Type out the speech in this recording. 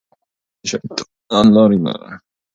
د شیطان لارې.